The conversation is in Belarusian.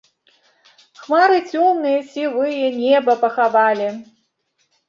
Хмары цёмныя, сівыя неба пахавалі.